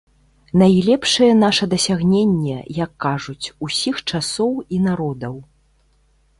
Найлепшае наша дасягненне, як кажуць, усіх часоў і народаў.